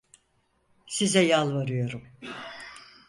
Size yalvarıyorum!